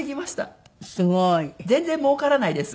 すごい！全然もうからないです。